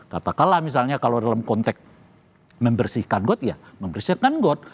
katakanlah misalnya kalau dalam konteks membersihkan got ya membersihkan got